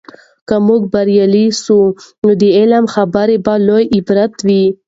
که موږ بریالي سو، نو د علم خبره به لوي عبرت وي.